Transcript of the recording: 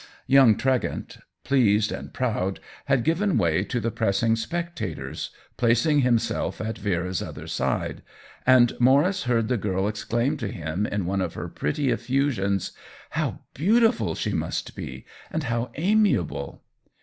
Young Tregent, pleased and proud, had given way to the pressing spectators, placing himself at Vera's other side; and Maurice heard the girl exclaim Uj him, in one of her pretty effusions; THE WHEEL OF TIME 49 "How beautiful she must be, and how amiable